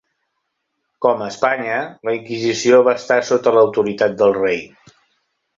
Com a Espanya, la Inquisició va estar sota l'autoritat del rei.